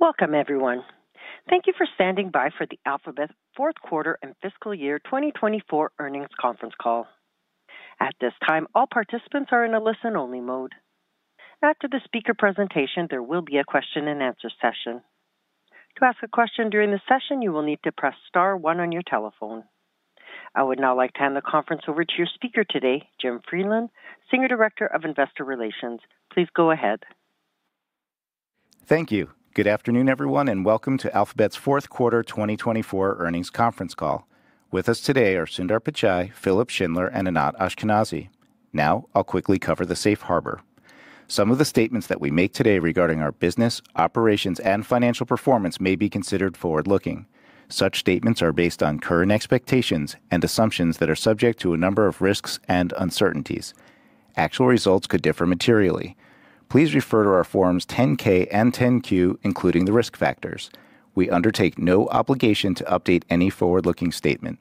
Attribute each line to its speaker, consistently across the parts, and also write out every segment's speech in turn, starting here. Speaker 1: Welcome, everyone. Thank you for standing by for the Alphabet's Fourth Quarter and Fiscal Year 2024 Earnings Conference Call. At this time, all participants are in a listen-only mode. After the speaker presentation, there will be a question-and-answer session. To ask a question during the session, you will need to press star one on your telephone. I would now like to hand the conference over to your speaker today, Jim Friedland, Senior Director of Investor Relations. Please go ahead.
Speaker 2: Thank you. Good afternoon, everyone, and welcome to Alphabet's Fourth Quarter 2024 Earnings Conference Call. With us today are Sundar Pichai, Philipp Schindler, and Anat Ashkenazi. Now, I'll quickly cover the safe harbor. Some of the statements that we make today regarding our business, operations, and financial performance may be considered forward-looking. Such statements are based on current expectations and assumptions that are subject to a number of risks and uncertainties. Actual results could differ materially. Please refer to our Forms 10-K and 10-Q, including the risk factors. We undertake no obligation to update any forward-looking statement.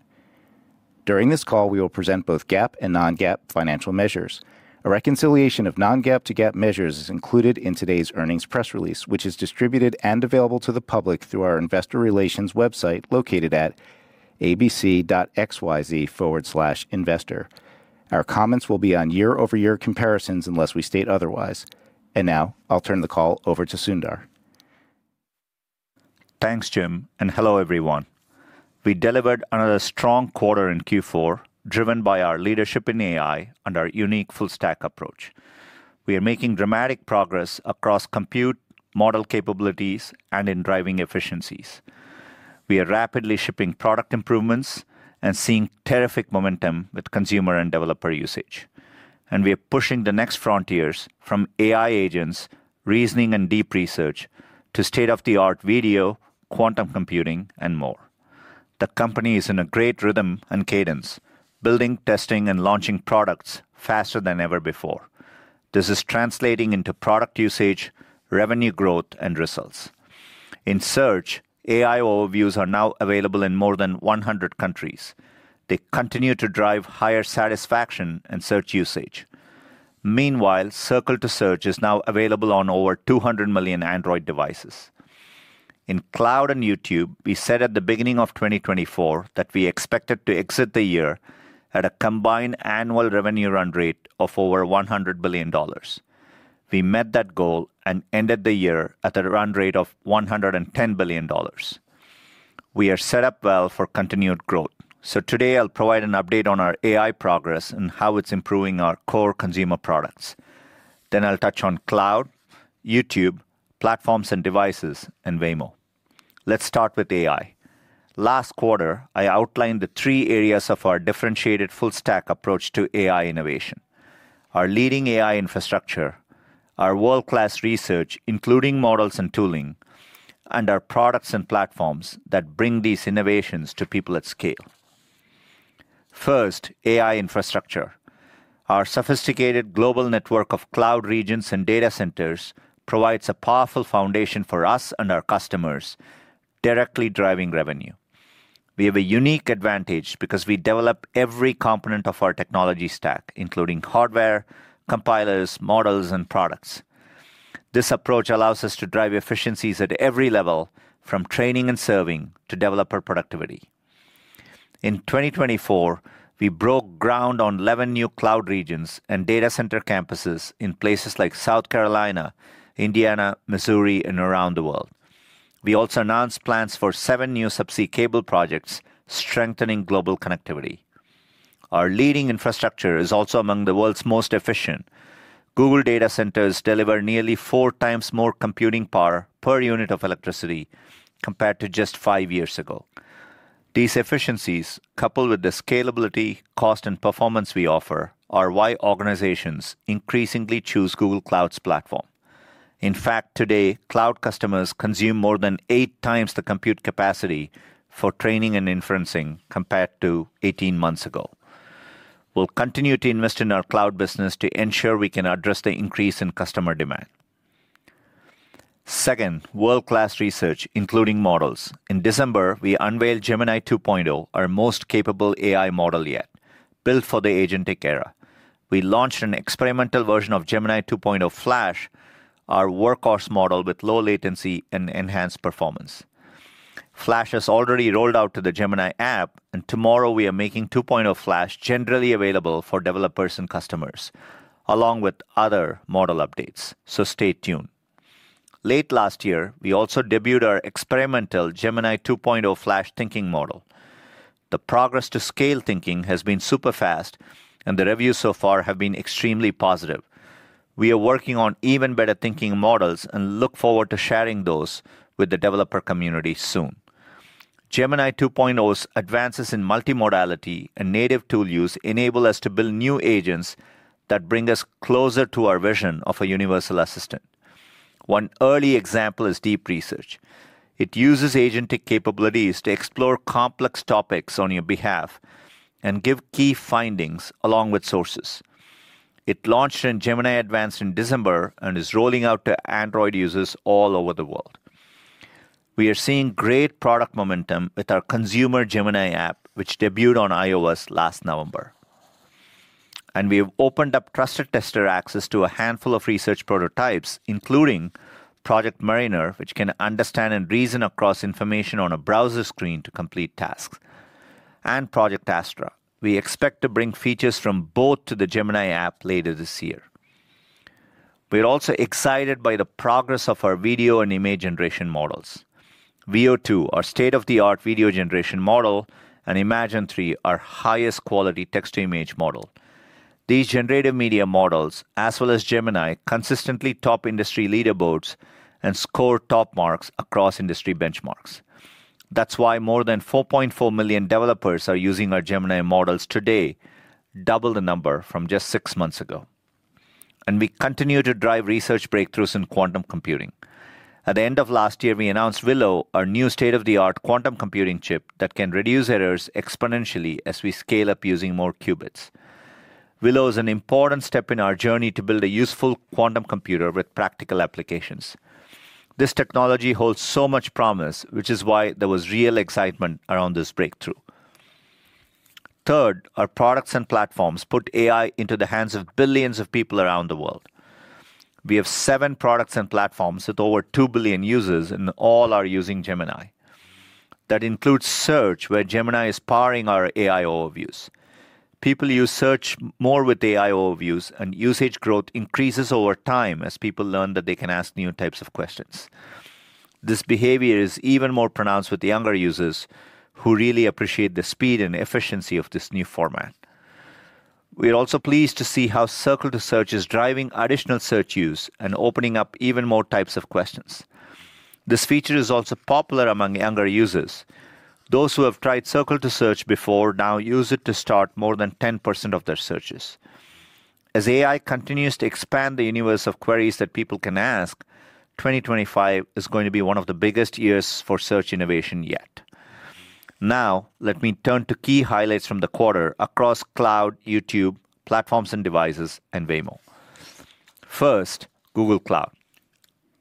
Speaker 2: During this call, we will present both GAAP and non-GAAP financial measures. A reconciliation of non-GAAP to GAAP measures is included in today's earnings press release, which is distributed and available to the public through our Investor Relations website located at abc.xyz/investor. Our comments will be on year-over-year comparisons unless we state otherwise. Now, I'll turn the call over to Sundar.
Speaker 3: Thanks, Jim, and hello, everyone. We delivered another strong quarter in Q4, driven by our leadership in AI and our unique full-stack approach. We are making dramatic progress across compute, model capabilities, and in driving efficiencies. We are rapidly shipping product improvements and seeing terrific momentum with consumer and developer usage, and we are pushing the next frontiers from AI agents, Reasoning, and Deep Research to state-of-the-art video, quantum computing, and more. The company is in a great rhythm and cadence, building, testing, and launching products faster than ever before. This is translating into product usage, revenue growth, and results. In search, AI Overviews are now available in more than 100 countries. They continue to drive higher satisfaction and search usage. Meanwhile, Circle to Search is now available on over 200 million Android devices. In Cloud and YouTube, we said at the beginning of 2024 that we expected to exit the year at a combined annual revenue run rate of over $100 billion. We met that goal and ended the year at a run rate of $110 billion. We are set up well for continued growth, so today, I'll provide an update on our AI progress and how it's improving our core consumer products, then I'll touch on Cloud, YouTube, platforms and devices, and Waymo. Let's start with AI. Last quarter, I outlined the three areas of our differentiated full-stack approach to AI innovation: our leading AI infrastructure, our world-class research, including models and tooling, and our products and platforms that bring these innovations to people at scale. First, AI infrastructure. Our sophisticated global network of cloud regions and data centers provides a powerful foundation for us and our customers, directly driving revenue. We have a unique advantage because we develop every component of our technology stack, including hardware, compilers, models, and products. This approach allows us to drive efficiencies at every level, from training and serving to developer productivity. In 2024, we broke ground on 11 new cloud regions and data center campuses in places like South Carolina, Indiana, Missouri, and around the world. We also announced plans for seven new subsea cable projects, strengthening global connectivity. Our leading infrastructure is also among the world's most efficient. Google data centers deliver nearly four times more computing power per unit of electricity compared to just five years ago. These efficiencies, coupled with the scalability, cost, and performance we offer, are why organizations increasingly choose Google Cloud's platform. In fact, today, cloud customers consume more than eight times the compute capacity for training and inferencing compared to 18 months ago. We'll continue to invest in our cloud business to ensure we can address the increase in customer demand. Second, world-class research, including models. In December, we unveiled Gemini 2.0, our most capable AI model yet, built for the agentic era. We launched an experimental version of Gemini 2.0 Flash, our workhorse model with low latency and enhanced performance. Flash has already rolled out to the Gemini app, and tomorrow we are making 2.0 Flash generally available for developers and customers, along with other model updates. So stay tuned. Late last year, we also debuted our experimental Gemini 2.0 Flash Thinking model. The progress to scale thinking has been super fast, and the reviews so far have been extremely positive. We are working on even better thinking models and look forward to sharing those with the developer community soon. Gemini 2.0's advances in multimodality and native tool use enable us to build new agents that bring us closer to our vision of a universal assistant. One early example is Deep Research. It uses agentic capabilities to explore complex topics on your behalf and give key findings along with sources. It launched in Gemini Advanced in December and is rolling out to Android users all over the world. We are seeing great product momentum with our consumer Gemini app, which debuted on iOS last November. And we have opened up trusted tester access to a handful of research prototypes, including Project Mariner, which can understand and reason across information on a browser screen to complete tasks, and Project Astra. We expect to bring features from both to the Gemini app later this year. We are also excited by the progress of our video and image generation models. Veo 2, our state-of-the-art video generation model, and Imagen 3, our highest quality text-to-image model. These generative media models, as well as Gemini, consistently top industry leaderboards and score top marks across industry benchmarks. That's why more than 4.4 million developers are using our Gemini models today, double the number from just six months ago. And we continue to drive research breakthroughs in quantum computing. At the end of last year, we announced Willow, our new state-of-the-art quantum computing chip that can reduce errors exponentially as we scale up using more qubits. Willow is an important step in our journey to build a useful quantum computer with practical applications. This technology holds so much promise, which is why there was real excitement around this breakthrough. Third, our products and platforms put AI into the hands of billions of people around the world. We have seven products and platforms with over 2 billion users, and all are using Gemini. That includes Search, where Gemini is powering our AI Overviews. People use Search more with AI Overviews, and usage growth increases over time as people learn that they can ask new types of questions. This behavior is even more pronounced with younger users who really appreciate the speed and efficiency of this new format. We are also pleased to see how Circle to Search is driving additional search use and opening up even more types of questions. This feature is also popular among younger users. Those who have tried Circle to Search before now use it to start more than 10% of their searches. As AI continues to expand the universe of queries that people can ask, 2025 is going to be one of the biggest years for search innovation yet. Now, let me turn to key highlights from the quarter across Cloud, YouTube, platforms and devices, and Waymo. First, Google Cloud.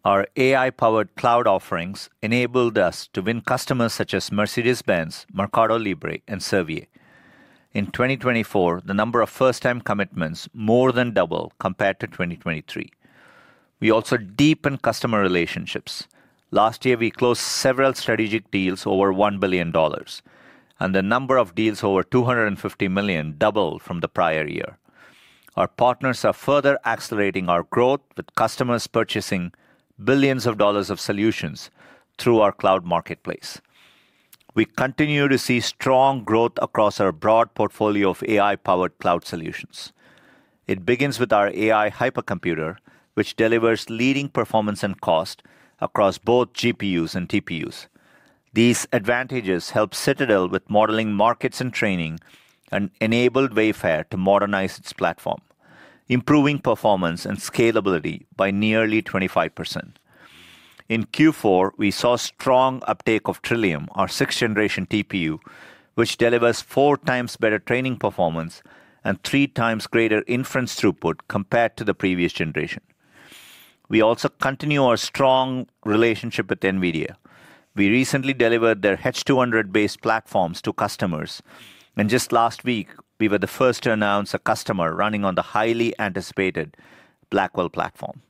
Speaker 3: Our AI-powered cloud offerings enabled us to win customers such as Mercedes-Benz, Mercado Libre, and Servier. In 2024, the number of first-time commitments more than doubled compared to 2023. We also deepened customer relationships. Last year, we closed several strategic deals over $1 billion, and the number of deals over $250 million doubled from the prior year. Our partners are further accelerating our growth with customers purchasing billions of dollars of solutions through our cloud marketplace. We continue to see strong growth across our broad portfolio of AI-powered cloud solutions. It begins with our AI hypercomputer, which delivers leading performance and cost across both GPUs and TPUs. These advantages help Citadel with modeling markets and training and enabled Wayfair to modernize its platform, improving performance and scalability by nearly 25%. In Q4, we saw strong uptake of Trillium, our sixth-generation TPU, which delivers four times better training performance and three times greater inference throughput compared to the previous generation. We also continue our strong relationship with NVIDIA. We recently delivered their H200-based platforms to customers, and just last week, we were the first to announce a customer running on the highly anticipated Blackwell platform.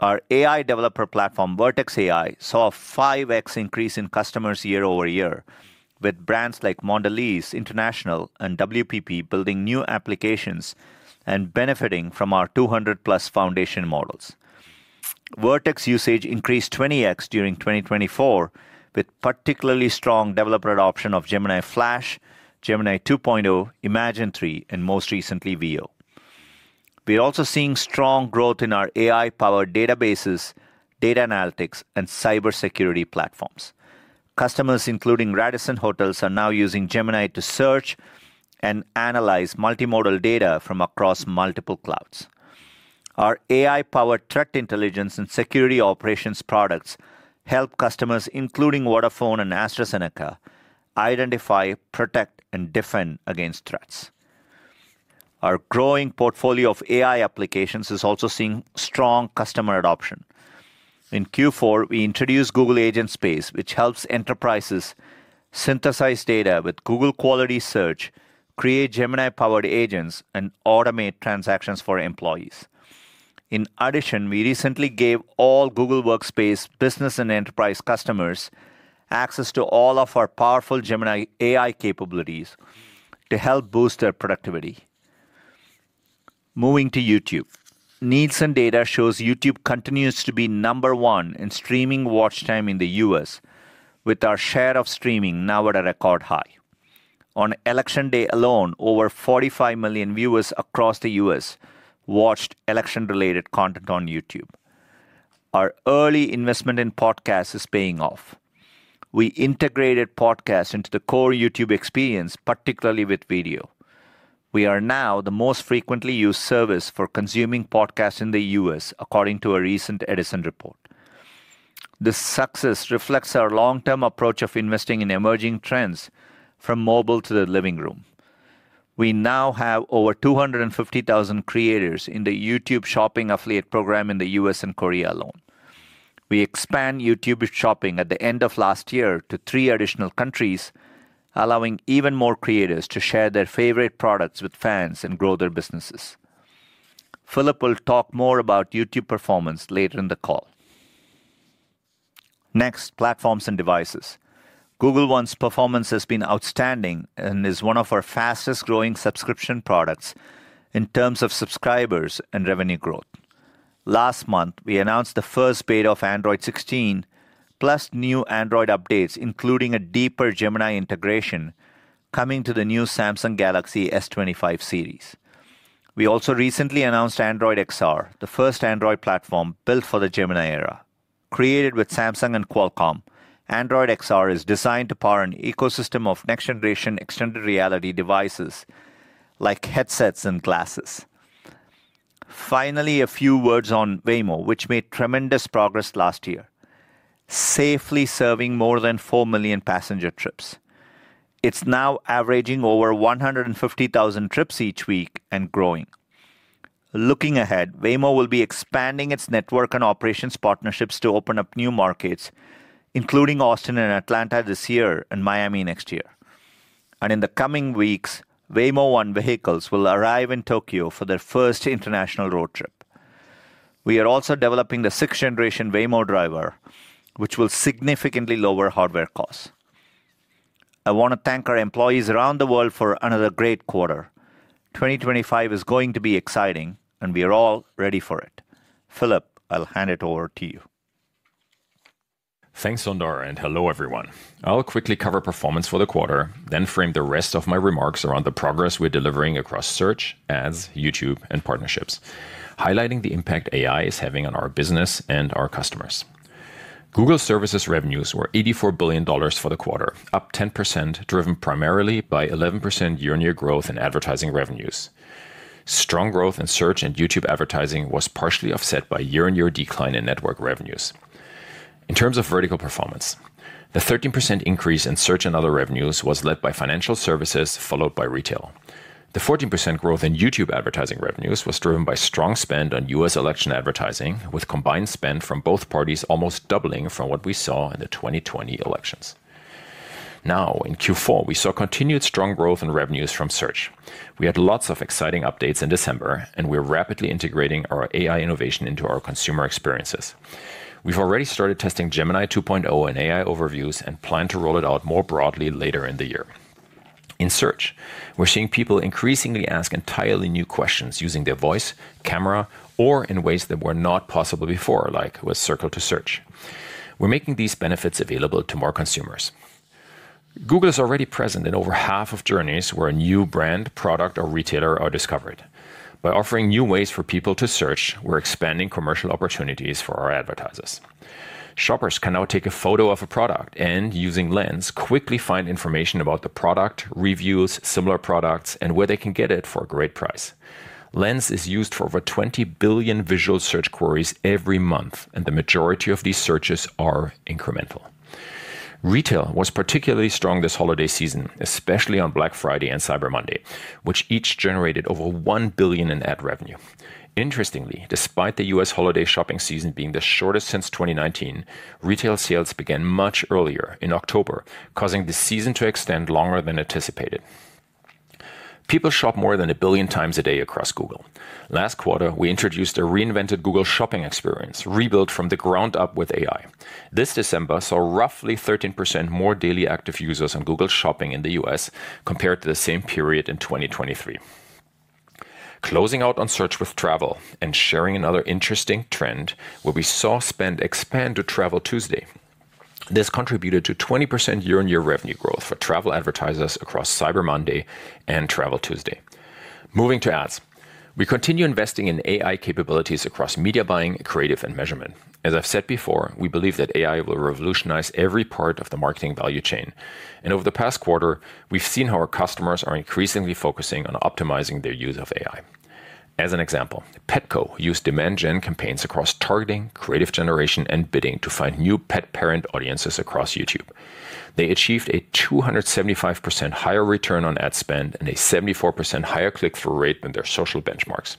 Speaker 3: Our AI developer platform, Vertex AI, saw a 5x increase in customers year-over-year, with brands like Mondelēz International and WPP building new applications and benefiting from our 200-plus foundation models. Vertex usage increased 20x during 2024, with particularly strong developer adoption of Gemini Flash, Gemini 2.0, Imagen 3, and most recently, Veo. We are also seeing strong growth in our AI-powered databases, data analytics, and cybersecurity platforms. Customers, including Radisson Hotels, are now using Gemini to search and analyze multimodal data from across multiple clouds. Our AI-powered threat intelligence and security operations products help customers, including Vodafone and AstraZeneca, identify, protect, and defend against threats. Our growing portfolio of AI applications is also seeing strong customer adoption. In Q4, we introduced Google Agent Space, which helps enterprises synthesize data with Google-quality search, create Gemini-powered agents, and automate transactions for employees. In addition, we recently gave all Google Workspace business and enterprise customers access to all of our powerful Gemini AI capabilities to help boost their productivity. Moving to YouTube, needs and data show YouTube continues to be number one in streaming watch time in the U.S., with our share of streaming now at a record high. On Election Day alone, over 45 million viewers across the U.S. watched election-related content on YouTube. Our early investment in podcasts is paying off. We integrated podcasts into the core YouTube experience, particularly with video. We are now the most frequently used service for consuming podcasts in the U.S., according to a recent Edison report. This success reflects our long-term approach of investing in emerging trends from mobile to the Living room. We now have over 250,000 creators in the YouTube Shopping Affiliate Program in the U.S. and Korea alone. We expand YouTube Shopping at the end of last year to three additional countries, allowing even more creators to share their favorite products with fans and grow their businesses. Philipp will talk more about YouTube performance later in the call. Next, platforms and devices. Google One's performance has been outstanding and is one of our fastest-growing subscription products in terms of subscribers and revenue growth. Last month, we announced the first beta of Android 16, plus new Android updates, including a deeper Gemini integration coming to the new Samsung Galaxy S25 series. We also recently announced Android XR, the first Android platform built for the Gemini era. Created with Samsung and Qualcomm, Android XR is designed to power an ecosystem of next-generation extended reality devices like headsets and glasses. Finally, a few words on Waymo, which made tremendous progress last year, safely serving more than four million passenger trips. It's now averaging over 150,000 trips each week and growing. Looking ahead, Waymo will be expanding its network and operations partnerships to open up new markets, including Austin and Atlanta this year and Miami next year. And in the coming weeks, Waymo One vehicles will arrive in Tokyo for their first international road trip. We are also developing the sixth-generation Waymo Driver, which will significantly lower hardware costs. I want to thank our employees around the world for another great quarter. 2025 is going to be exciting, and we are all ready for it. Philipp, I'll hand it over to you.
Speaker 4: Thanks, Sundar, and hello, everyone. I'll quickly cover performance for the quarter, then frame the rest of my remarks around the progress we're delivering across search, ads, YouTube, and partnerships, highlighting the impact AI is having on our business and our customers. Google Services revenues were $84 billion for the quarter, up 10%, driven primarily by 11% year-on-year growth in advertising revenues. Strong growth in search and YouTube advertising was partially offset by year-on-year decline in Network revenues. In terms of vertical performance, the 13% increase in search and other revenues was led by financial services, followed by retail. The 14% growth in YouTube advertising revenues was driven by strong spend on U.S. election advertising, with combined spend from both parties almost doubling from what we saw in the 2020 elections. Now, in Q4, we saw continued strong growth in revenues from search. We had lots of exciting updates in December, and we're rapidly integrating our AI innovation into our consumer experiences. We've already started testing Gemini 2.0 and AI Overviews and plan to roll it out more broadly later in the year. In search, we're seeing people increasingly ask entirely new questions using their voice, camera, or in ways that were not possible before, like with Circle to Search. We're making these benefits available to more consumers. Google is already present in over half of journeys where a new brand, product, or retailer is discovered. By offering new ways for people to search, we're expanding commercial opportunities for our advertisers. Shoppers can now take a photo of a product and, using Lens, quickly find information about the product, reviews, similar products, and where they can get it for a great price. Lens is used for over 20 billion visual search queries every month, and the majority of these searches are incremental. Retail was particularly strong this holiday season, especially on Black Friday and Cyber Monday, which each generated over $1 billion in ad revenue. Interestingly, despite the U.S. holiday shopping season being the shortest since 2019, retail sales began much earlier in October, causing the season to extend longer than anticipated. People shop more than a billion times a day across Google. Last quarter, we introduced a reinvented Google Shopping experience, rebuilt from the ground up with AI. This December saw roughly 13% more daily active users on Google Shopping in the U.S. compared to the same period in 2023. Closing out on search with travel and sharing another interesting trend where we saw spend expand to Travel Tuesday. This contributed to 20% year-on-year revenue growth for travel advertisers across Cyber Monday and Travel Tuesday. Moving to ads, we continue investing in AI capabilities across media buying, creative, and measurement. As I've said before, we believe that AI will revolutionize every part of the marketing value chain. And over the past quarter, we've seen how our customers are increasingly focusing on optimizing their use of AI. As an example, Petco used Demand Gen campaigns across targeting, creative generation, and bidding to find new pet-parent audiences across YouTube. They achieved a 275% higher return on ad spend and a 74% higher click-through rate than their social benchmarks.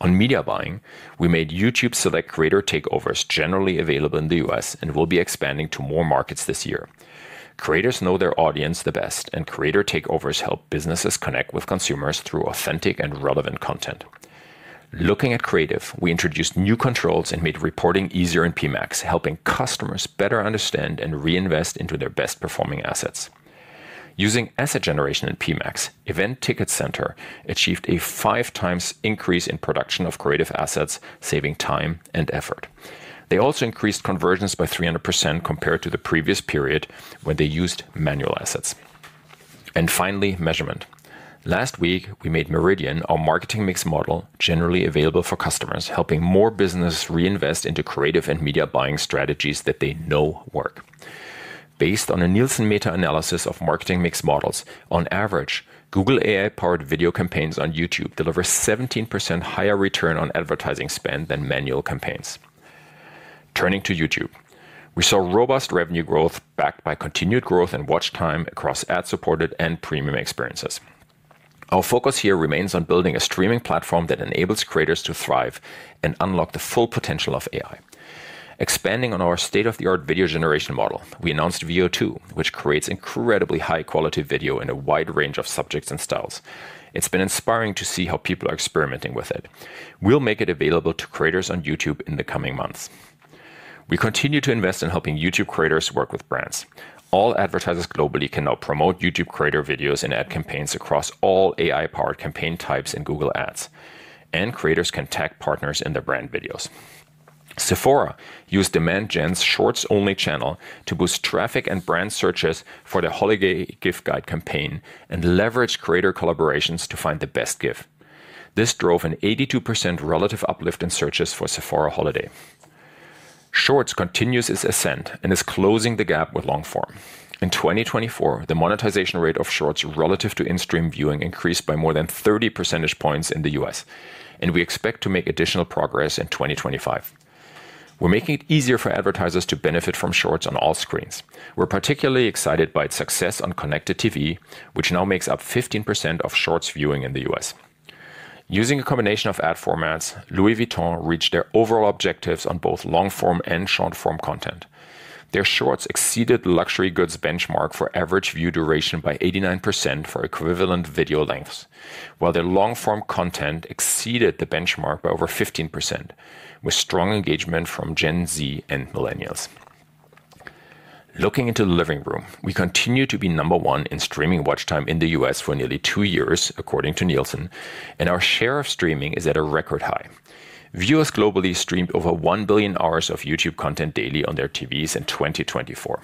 Speaker 4: On media buying, we made YouTube Select Creator Takeovers generally available in the U.S. and will be expanding to more markets this year. Creators know their audience the best, and creator takeovers help businesses connect with consumers through authentic and relevant content. Looking at creative, we introduced new controls and made reporting easier in PMax, helping customers better understand and reinvest into their best-performing assets. Using asset generation in PMax, Event Tickets Center achieved a five-times increase in production of creative assets, saving time and effort. They also increased conversions by 300% compared to the previous period when they used manual assets. And finally, measurement. Last week, we made Meridian, our marketing mix model, generally available for customers, helping more businesses reinvest into creative and media buying strategies that they know work. Based on a Nielsen meta-analysis of marketing mix models, on average, Google AI-powered video campaigns on YouTube deliver 17% higher return on advertising spend than manual campaigns. Turning to YouTube, we saw robust revenue growth backed by continued growth in watch time across ad-supported and premium experiences. Our focus here remains on building a streaming platform that enables creators to thrive and unlock the full potential of AI. Expanding on our state-of-the-art video generation model, we announced Veo 2, which creates incredibly high-quality video in a wide range of subjects and styles. It's been inspiring to see how people are experimenting with it. We'll make it available to creators on YouTube in the coming months. We continue to invest in helping YouTube creators work with brands. All advertisers globally can now promote YouTube creator videos and ad campaigns across all AI-powered campaign types in Google Ads. And creators can tag partners in their brand videos. Sephora used Demand Gen's Shorts-only channel to boost traffic and brand searches for the holiday gift guide campaign and leveraged creator collaborations to find the best gift. This drove an 82% relative uplift in searches for Sephora Holiday. Shorts continues its ascent and is closing the gap with long-form. In 2024, the monetization rate of Shorts relative to in-stream viewing increased by more than 30 percentage points in the U.S., and we expect to make additional progress in 2025. We're making it easier for advertisers to benefit from Shorts on all screens. We're particularly excited by its success on Connected TV, which now makes up 15% of Shorts viewing in the U.S. Using a combination of ad formats, Louis Vuitton reached their overall objectives on both long-form and short-form content. Their Shorts exceeded the luxury goods benchmark for average view duration by 89% for equivalent video lengths, while their long-form content exceeded the benchmark by over 15%, with strong engagement from Gen Z and millennials. Looking into the Living Room, we continue to be number one in streaming watch time in the U.S. for nearly two years, according to Nielsen, and our share of streaming is at a record high. Viewers globally streamed over 1 billion hours of YouTube content daily on their TVs in 2024.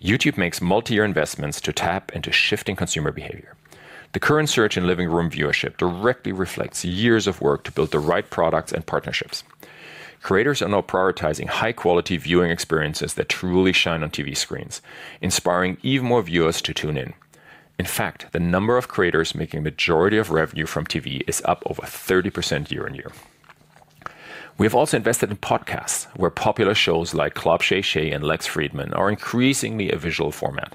Speaker 4: YouTube makes multi-year investments to tap into shifting consumer behavior. The current search and Living Room viewership directly reflects years of work to build the right products and partnerships. Creators are now prioritizing high-quality viewing experiences that truly shine on TV screens, inspiring even more viewers to tune in. In fact, the number of creators making the majority of revenue from TV is up over 30% year-on-year. We have also invested in podcasts, where popular shows like Club Shay Shay and Lex Fridman are increasingly a visual format.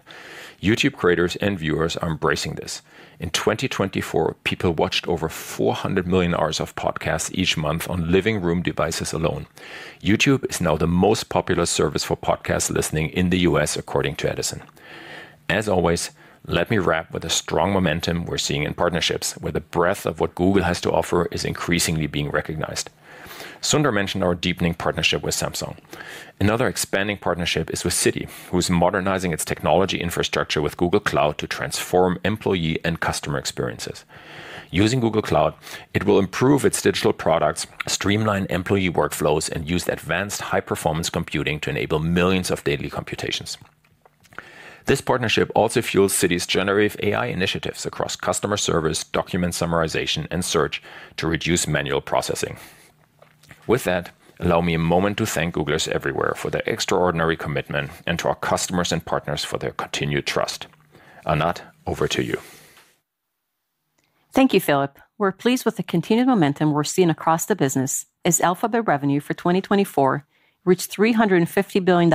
Speaker 4: YouTube creators and viewers are embracing this. In 2024, people watched over 400 million hours of podcasts each month on Living Room devices alone. YouTube is now the most popular service for podcast listening in the U.S., according to Edison. As always, let me wrap with the strong momentum we're seeing in partnerships, where the breadth of what Google has to offer is increasingly being recognized. Sundar mentioned our deepening partnership with Samsung. Another expanding partnership is with Citi, who is modernizing its technology infrastructure with Google Cloud to transform employee and customer experiences. Using Google Cloud, it will improve its digital products, streamline employee workflows, and use advanced high-performance computing to enable millions of daily computations. This partnership also fuels Citi's generative AI initiatives across customer service, document summarization, and search to reduce manual processing. With that, allow me a moment to thank Googlers everywhere for their extraordinary commitment and to our customers and partners for their continued trust. Anat, over to you.
Speaker 5: Thank you, Philipp. We're pleased with the continued momentum we're seeing across the business as Alphabet revenue for 2024 reached $350 billion,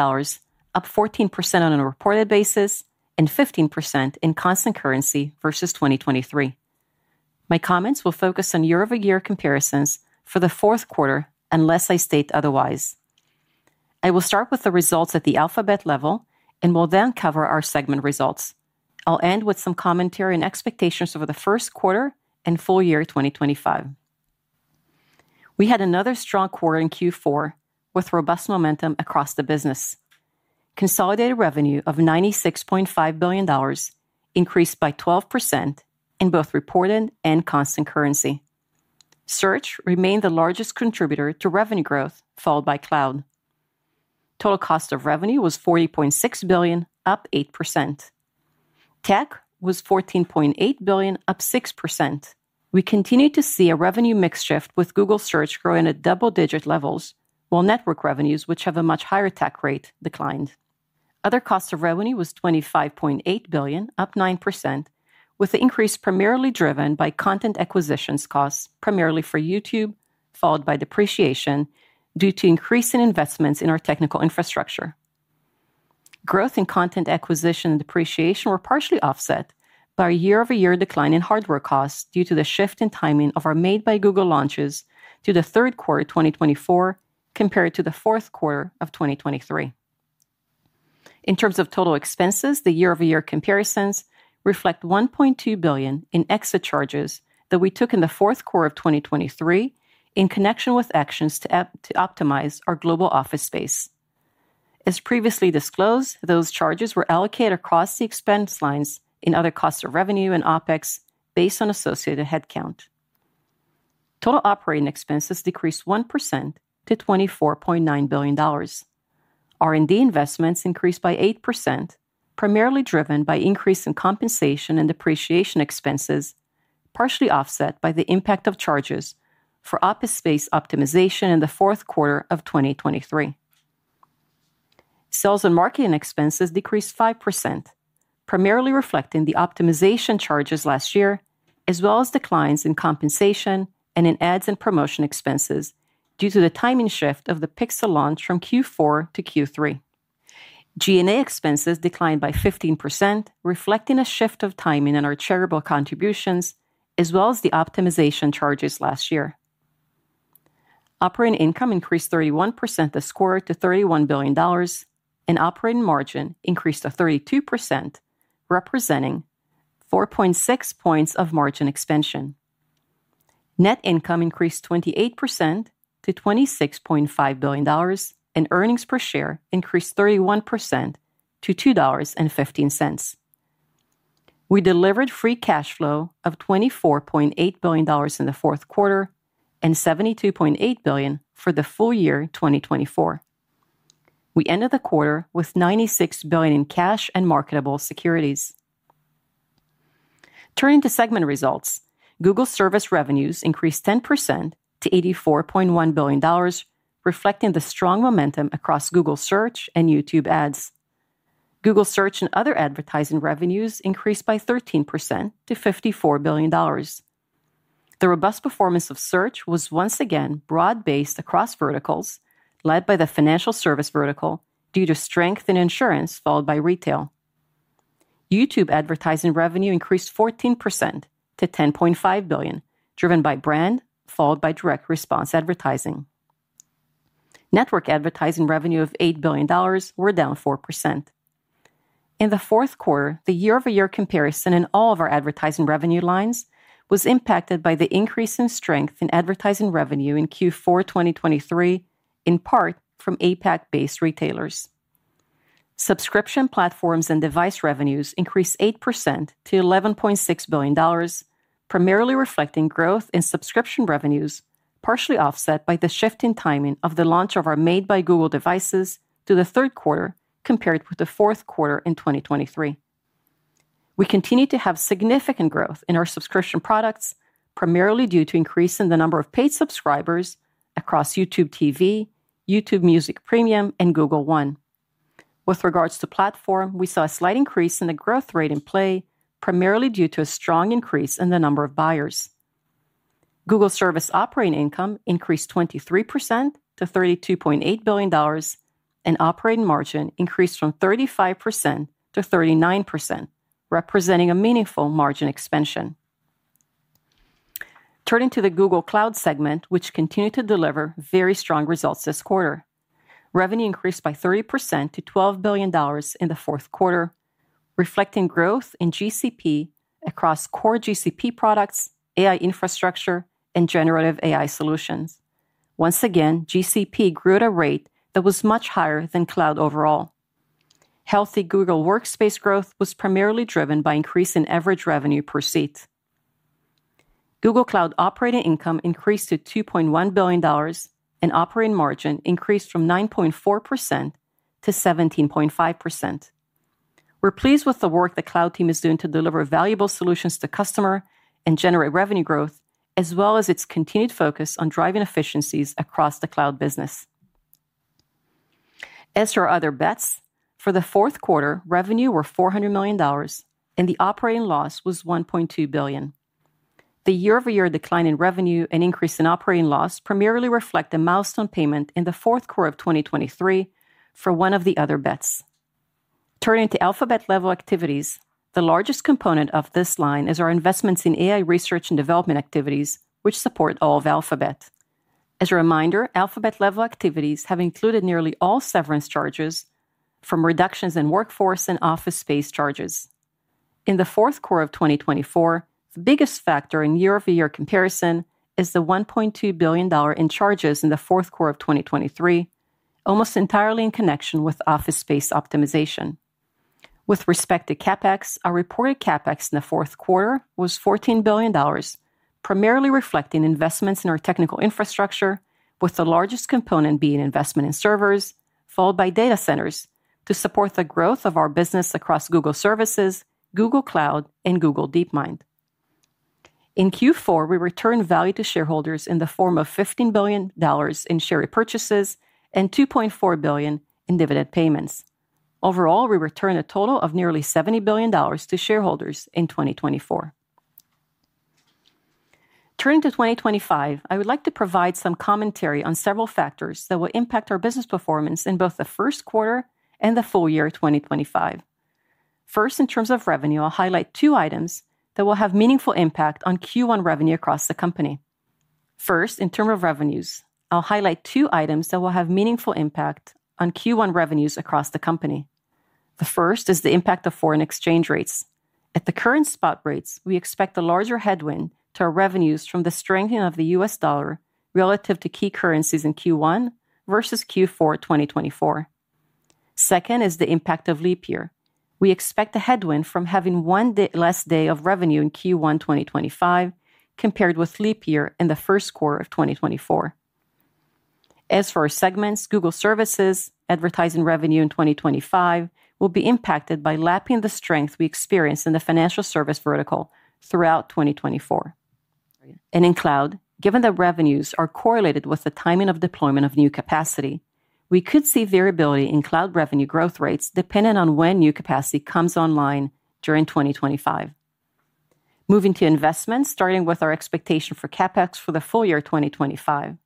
Speaker 5: up 14% on a reported basis and 15% in constant currency versus 2023. My comments will focus on year-over-year comparisons for the fourth quarter, unless I state otherwise. I will start with the results at the Alphabet level and will then cover our segment results. I'll end with some commentary and expectations for the first quarter and full year 2025. We had another strong quarter in Q4 with robust momentum across the business. Consolidated revenue of $96.5 billion increased by 12% in both reported and constant currency. Search remained the largest contributor to revenue growth, followed by Cloud. Total cost of revenue was $40.6 billion, up 8%. TAC was $14.8 billion, up 6%. We continue to see a revenue mix shift with Google Search growing at double-digit levels, while Network revenues, which have a much higher TAC rate, declined. Other cost of revenue was $25.8 billion, up 9%, with the increase primarily driven by content acquisition costs primarily for YouTube, followed by depreciation due to increasing investments in our technical infrastructure. Growth in content acquisition and depreciation were partially offset by a year-over-year decline in hardware costs due to the shift in timing of our Made by Google launches to the third quarter 2024 compared to the fourth quarter of 2023. In terms of total expenses, the year-over-year comparisons reflect $1.2 billion in extra charges that we took in the fourth quarter of 2023 in connection with actions to optimize our global office space. As previously disclosed, those charges were allocated across the expense lines in other costs of revenue and OpEx based on associated headcount. Total operating expenses decreased 1% to $24.9 billion. R&D investments increased by 8%, primarily driven by increase in compensation and depreciation expenses, partially offset by the impact of charges for office space optimization in the fourth quarter of 2023. Sales and marketing expenses decreased 5%, primarily reflecting the optimization charges last year, as well as declines in compensation and in ads and promotion expenses due to the timing shift of the Pixel launch from Q4-Q3. G&A expenses declined by 15%, reflecting a shift of timing in our charitable contributions, as well as the optimization charges last year. Operating income increased 31% this quarter to $31 billion, and operating margin increased to 32%, representing 4.6 points of margin expansion. Net income increased 28% to $26.5 billion, and earnings per share increased 31% to $2.15. We delivered free cash flow of $24.8 billion in the fourth quarter and $72.8 billion for the full year 2024. We ended the quarter with $96 billion in cash and marketable securities. Turning to segment results, Google Services revenues increased 10% to $84.1 billion, reflecting the strong momentum across Google Search and YouTube ads. Google Search and other advertising revenues increased by 13% to $54 billion. The robust performance of Search was once again broad-based across verticals, led by the financial service vertical due to strength in insurance, followed by retail. YouTube advertising revenue increased 14% to $10.5 billion, driven by brand, followed by direct response advertising. Network advertising revenue of $8 billion were down 4%. In the fourth quarter, the year-over-year comparison in all of our advertising revenue lines was impacted by the increase in strength in advertising revenue in Q4 2023, in part from APAC-based retailers. Subscription platforms and device revenues increased 8% to $11.6 billion, primarily reflecting growth in subscription revenues, partially offset by the shift in timing of the launch of our Made by Google devices to the third quarter compared with the fourth quarter in 2023. We continue to have significant growth in our subscription products, primarily due to increase in the number of paid subscribers across YouTube TV, YouTube Music Premium, and Google One. With regards to platform, we saw a slight increase in the growth rate in Play, primarily due to a strong increase in the number of buyers. Google Services operating income increased 23% to $32.8 billion, and operating margin increased from 35%-39%, representing a meaningful margin expansion. Turning to the Google Cloud segment, which continued to deliver very strong results this quarter. Revenue increased by 30% to $12 billion in the fourth quarter, reflecting growth in GCP across core GCP products, AI infrastructure, and generative AI solutions. Once again, GCP grew at a rate that was much higher than Cloud overall. Healthy Google Workspace growth was primarily driven by increase in average revenue per seat. Google Cloud operating income increased to $2.1 billion, and operating margin increased from 9.4% to 17.5%. We're pleased with the work the Cloud team is doing to deliver valuable solutions to customers and generate revenue growth, as well as its continued focus on driving efficiencies across the Cloud business. As for Other Bets, for the fourth quarter, revenue were $400 million, and the operating loss was $1.2 billion. The year-over-year decline in revenue and increase in operating loss primarily reflect a milestone payment in the fourth quarter of 2023 for one of the Other Bets. Turning to Alphabet-level activities, the largest component of this line is our investments in AI research and development activities, which support all of Alphabet. As a reminder, Alphabet-level activities have included nearly all severance charges from reductions in workforce and office space charges. In the fourth quarter of 2024, the biggest factor in year-over-year comparison is the $1.2 billion in charges in the fourth quarter of 2023, almost entirely in connection with office space optimization. With respect to CapEx, our reported CapEx in the fourth quarter was $14 billion, primarily reflecting investments in our technical infrastructure, with the largest component being investment in servers, followed by data centers to support the growth of our business across Google Services, Google Cloud, and Google DeepMind. In Q4, we returned value to shareholders in the form of $15 billion in share purchases and $2.4 billion in dividend payments. Overall, we returned a total of nearly $70 billion to shareholders in 2024. Turning to 2025, I would like to provide some commentary on several factors that will impact our business performance in both the first quarter and the full year 2025. First, in terms of revenue, I'll highlight two items that will have meaningful impact on Q1 revenue across the company. The first is the impact of foreign exchange rates. At the current spot rates, we expect a larger headwind to our revenues from the strengthening of the U.S. dollar relative to key currencies in Q1 versus Q4 2024. Second is the impact of leap year. We expect a headwind from having one less day of revenue in Q1 2025 compared with leap year in the first quarter of 2024. As for our segments, Google Services advertising revenue in 2025 will be impacted by lapping the strength we experience in the financial service vertical throughout 2024. In Cloud, given that revenues are correlated with the timing of deployment of new capacity, we could see variability in Cloud revenue growth rates depending on when new capacity comes online during 2025. Moving to investments, starting with our expectation for CapEx for the full year 2025.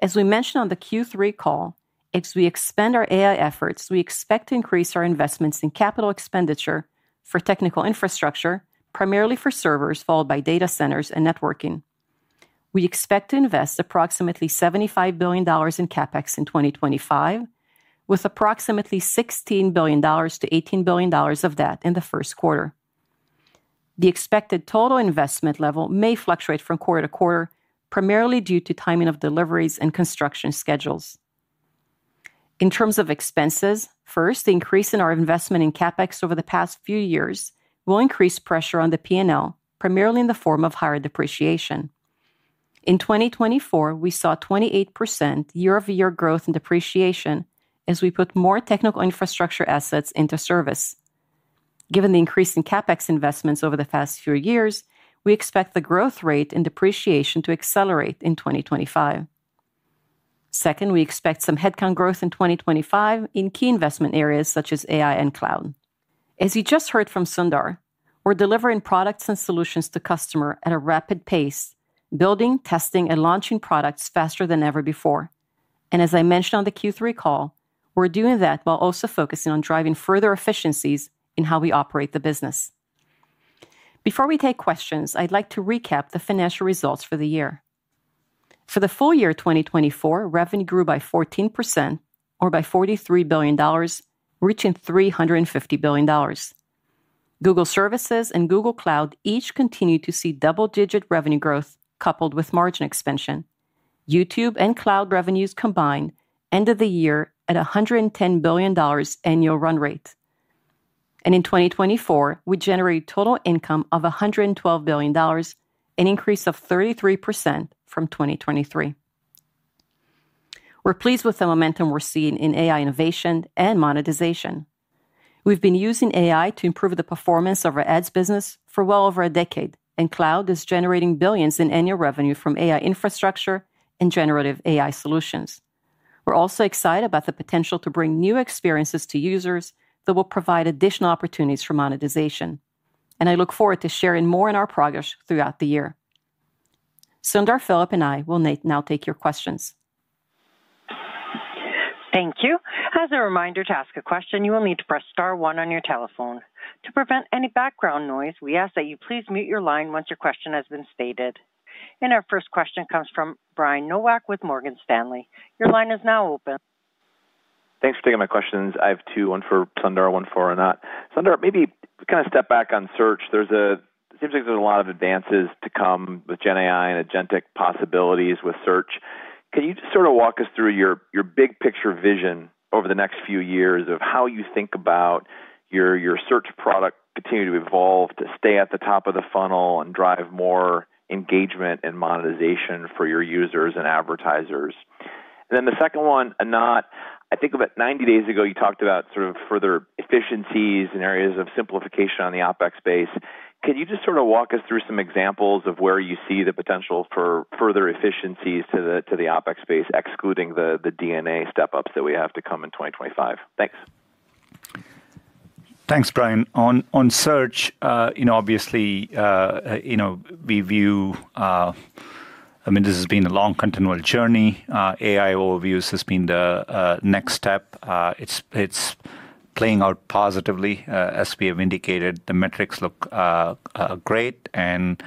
Speaker 5: As we mentioned on the Q3 call, as we expand our AI efforts, we expect to increase our investments in capital expenditure for technical infrastructure, primarily for servers, followed by data centers and networking. We expect to invest approximately $75 billion in CapEx in 2025, with approximately $16 billion-$18 billion of that in the first quarter. The expected total investment level may fluctuate from quarter-to-quarter, primarily due to timing of deliveries and construction schedules. In terms of expenses, first, the increase in our investment in CapEx over the past few years will increase pressure on the P&L, primarily in the form of higher depreciation. In 2024, we saw 28% year-over-year growth in depreciation as we put more technical infrastructure assets into service. Given the increase in CapEx investments over the past few years, we expect the growth rate in depreciation to accelerate in 2025. Second, we expect some headcount growth in 2025 in key investment areas such as AI and Cloud. As you just heard from Sundar, we're delivering products and solutions to customers at a rapid pace, building, testing, and launching products faster than ever before, and as I mentioned on the Q3 call, we're doing that while also focusing on driving further efficiencies in how we operate the business. Before we take questions, I'd like to recap the financial results for the year. For the full year 2024, revenue grew by 14%, or by $43 billion, reaching $350 billion. Google Services and Google Cloud each continue to see double-digit revenue growth coupled with margin expansion. YouTube and Cloud revenues combined ended the year at $110 billion annual run rate. And in 2024, we generated total income of $112 billion, an increase of 33% from 2023. We're pleased with the momentum we're seeing in AI innovation and monetization. We've been using AI to improve the performance of our ads business for well over a decade, and Cloud is generating billions in annual revenue from AI infrastructure and generative AI solutions. We're also excited about the potential to bring new experiences to users that will provide additional opportunities for monetization. I look forward to sharing more in our progress throughout the year. Sundar, Philipp, and I will now take your questions.
Speaker 1: Thank you. As a reminder to ask a question, you will need to press star one on your telephone. To prevent any background noise, we ask that you please mute your line once your question has been stated. And our first question comes from Brian Nowak with Morgan Stanley. Your line is now open.
Speaker 6: Thanks for taking my questions. I have two, one for Sundar, one for Anat. Sundar, maybe kind of step back on Search. It seems like there's a lot of advances to come with GenAI and agentic possibilities with Search. Can you just sort of walk us through your big picture vision over the next few years of how you think about your Search product continuing to evolve to stay at the top of the funnel and drive more engagement and monetization for your users and advertisers? And then the second one, Anat, I think about 90 days ago, you talked about sort of further efficiencies and areas of simplification on the OpEx space. Can you just sort of walk us through some examples of where you see the potential for further efficiencies to the OpEx space, excluding the D&A step-ups that we have to come in 2025? Thanks.
Speaker 3: Thanks, Brian. On Search, obviously, we view, I mean, this has been a long, continual journey. AI Overviews has been the next step. It's playing out positively. As we have indicated, the metrics look great, and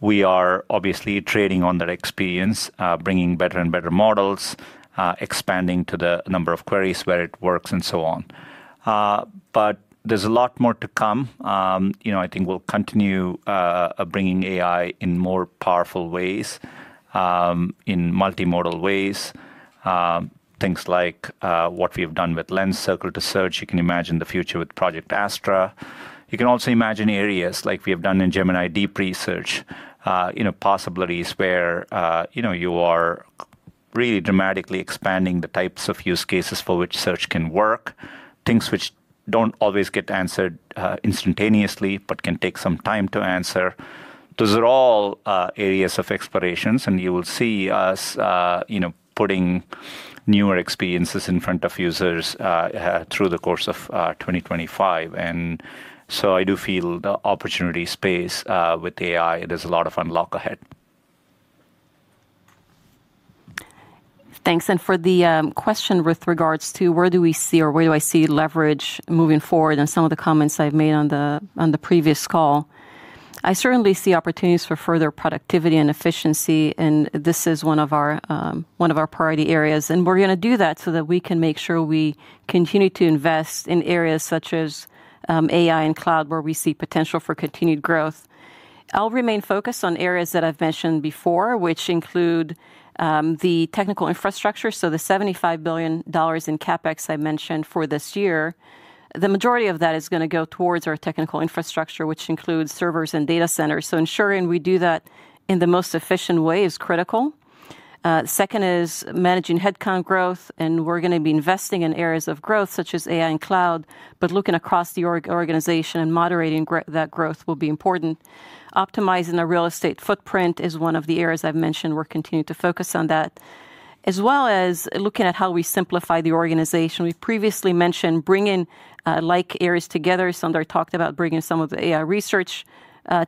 Speaker 3: we are obviously trading on that experience, bringing better and better models, expanding to the number of queries where it works, and so on. But there's a lot more to come. I think we'll continue bringing AI in more powerful ways, in multimodal ways, things like what we have done with Lens, Circle to Search. You can imagine the future with Project Astra. You can also imagine areas like we have done in Gemini Deep Research, possibilities where you are really dramatically expanding the types of use cases for which Search can work, things which don't always get answered instantaneously, but can take some time to answer. Those are all areas of explorations, and you will see us putting newer experiences in front of users through the course of 2025. And so I do feel the opportunity space with AI. There's a lot of unlock ahead.
Speaker 5: Thanks. And for the question with regards to where do we see, or where do I see leverage moving forward in some of the comments I've made on the previous call, I certainly see opportunities for further productivity and efficiency, and this is one of our priority areas. And we're going to do that so that we can make sure we continue to invest in areas such as AI and Cloud, where we see potential for continued growth. I'll remain focused on areas that I've mentioned before, which include the technical infrastructure, so the $75 billion in CapEx I mentioned for this year. The majority of that is going to go towards our technical infrastructure, which includes servers and data centers. So ensuring we do that in the most efficient way is critical. Second is managing headcount growth, and we're going to be investing in areas of growth such as AI and Cloud, but looking across the organization and moderating that growth will be important. Optimizing the real estate footprint is one of the areas I've mentioned. We're continuing to focus on that, as well as looking at how we simplify the organization. We previously mentioned bringing like areas together. Sundar talked about bringing some of the AI research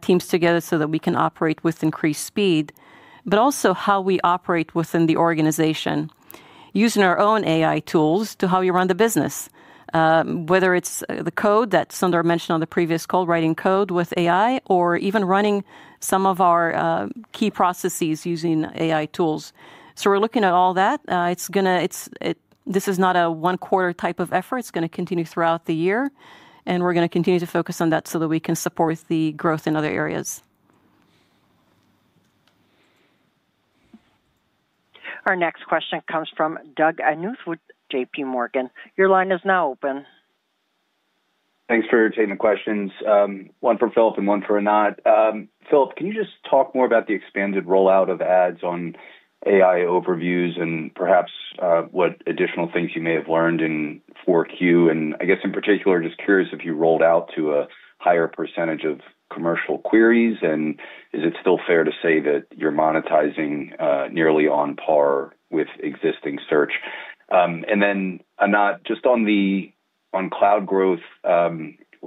Speaker 5: teams together so that we can operate with increased speed, but also how we operate within the organization, using our own AI tools to how we run the business, whether it's the code that Sundar mentioned on the previous call, writing code with AI, or even running some of our key processes using AI tools. So we're looking at all that. This is not a one-quarter type of effort. It's going to continue throughout the year, and we're going to continue to focus on that so that we can support the growth in other areas.
Speaker 1: Our next question comes from Doug Anmuth with JPMorgan. Your line is now open.
Speaker 7: Thanks for taking the questions. One for Philipp and one for Anat. Philipp, can you just talk more about the expanded rollout of ads on AI Overviews and perhaps what additional things you may have learned in 4Q? And I guess in particular, just curious if you rolled out to a higher percentage of commercial queries, and is it still fair to say that you're monetizing nearly on par with existing Search? And then, Anat, just on Cloud growth, a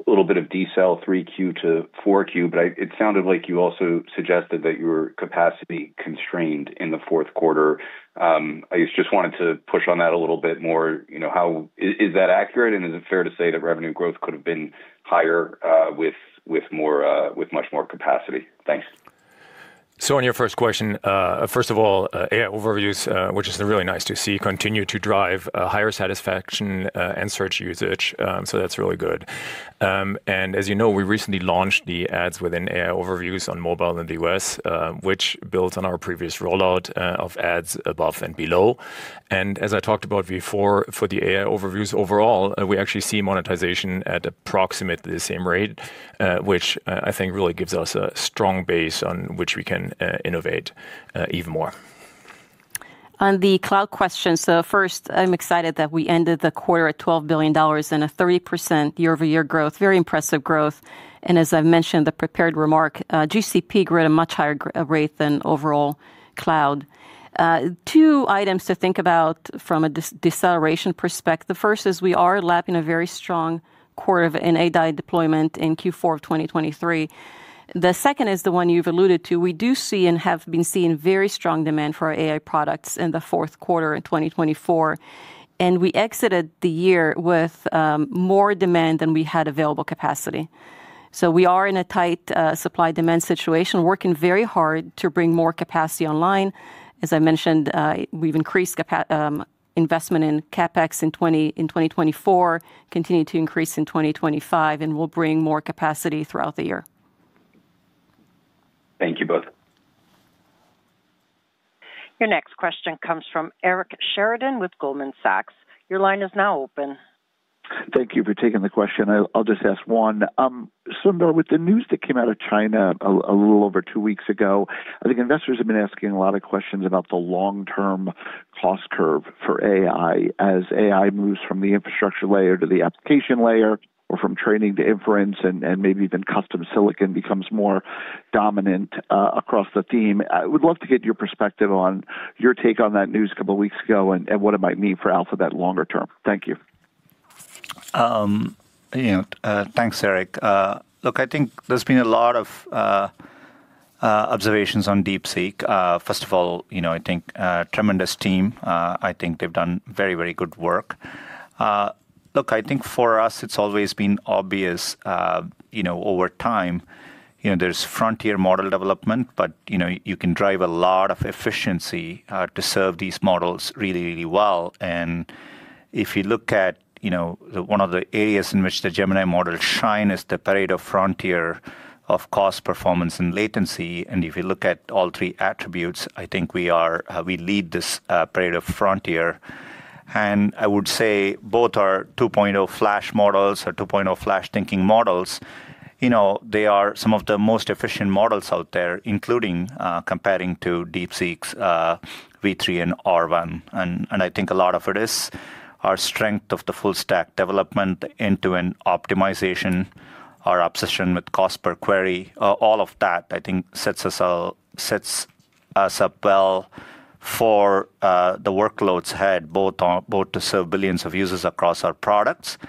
Speaker 7: little bit of decel 3Q to 4Q, but it sounded like you also suggested that you were capacity constrained in the fourth quarter. I just wanted to push on that a little bit more. Is that accurate, and is it fair to say that revenue growth could have been higher with much more capacity? Thanks,
Speaker 4: so on your first question, first of all, AI Overviews, which is really nice to see, continue to drive higher satisfaction and Search usage, so that's really good, and as you know, we recently launched the ads within AI Overviews on mobile in the U.S., which builds on our previous rollout of ads above and below. And as I talked about before, for the AI Overviews overall, we actually see monetization at approximately the same rate, which I think really gives us a strong base on which we can innovate even more.
Speaker 5: On the Cloud questions, so first, I'm excited that we ended the quarter at $12 billion and a 30% year-over-year growth, very impressive growth. And as I mentioned, the prepared remarks, GCP grew at a much higher rate than overall Cloud. Two items to think about from a deceleration perspective. First is we are lapping a very strong quarter of an AI deployment in Q4 of 2023. The second is the one you've alluded to. We do see and have been seeing very strong demand for our AI products in the fourth quarter in 2024, and we exited the year with more demand than we had available capacity. So we are in a tight supply-demand situation, working very hard to bring more capacity online. As I mentioned, we've increased investment in CapEx in 2024, continued to increase in 2025, and we'll bring more capacity throughout the year.
Speaker 7: Thank you both.
Speaker 1: Your next question comes from Eric Sheridan with Goldman Sachs. Your line is now open.
Speaker 8: Thank you for taking the question. I'll just ask one. Sundar, with the news that came out of China a little over two weeks ago, I think investors have been asking a lot of questions about the long-term cost curve for AI as AI moves from the infrastructure layer to the application layer, or from training to inference, and maybe even custom silicon becomes more dominant across the theme. I would love to get your perspective on your take on that news a couple of weeks ago and what it might mean for Alphabet longer term. Thank you.
Speaker 3: Thanks, Eric. Look, I think there's been a lot of observations on DeepSeek. First of all, I think tremendous team. I think they've done very, very good work. Look, I think for us, it's always been obvious over time. There's frontier model development, but you can drive a lot of efficiency to serve these models really, really well. If you look at one of the areas in which the Gemini model shines is the Pareto frontier of cost, performance, and latency. If you look at all three attributes, I think we lead this Pareto frontier. I would say both our 2.0 Flash models or 2.0 Flash Thinking models, they are some of the most efficient models out there, including compared to DeepSeek's V3 and R1. I think a lot of it is our strength in the full-stack development and optimization, our obsession with cost per query, all of that, I think, sets us up well for the workloads ahead, both to serve billions of users across our products